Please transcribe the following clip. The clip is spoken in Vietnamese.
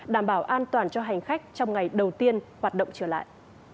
đảm bảo an toàn cho hành khách trong ngày đầu tiên hoạt động trở lại